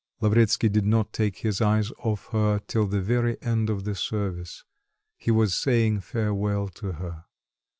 Lavretsky did not take his eyes off her till the very end of the service; he was saying farewell to her.